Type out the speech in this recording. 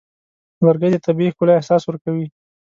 لرګی د طبیعي ښکلا احساس ورکوي.